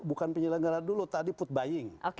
bukan penyelenggara dulu tadi food buying